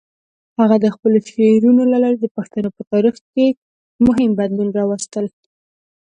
هغه د خپلو شعرونو له لارې د پښتنو په تاریخ کې مهم بدلونونه راوستل.